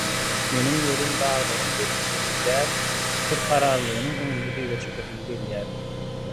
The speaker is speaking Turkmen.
Meniň welin daglaryň belentliginiň däl, bir kararlylygynyň öňünde dyza çökesim gelýär.